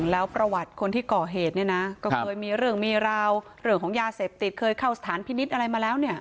แล้วประวัติคนที่ก่อเหตุเนี่ยนะก็เคยมีเรื่องมีราวเรื่องของยาเสพติดเคยเข้าสถานพินิษฐ์อะไรมาแล้วเนี่ย